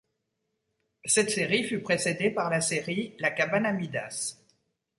Cette série fut précédée par la série La cabane à Midas.